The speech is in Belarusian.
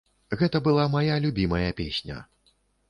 Гэта была мая любімая песня.